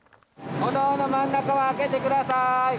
歩道の真ん中を空けてください。